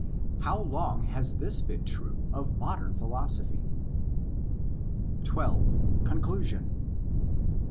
How long has this been true of modern philosophy 3} 12.—Conclusion.